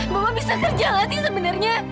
bapak bisa kerja nggak sih sebenarnya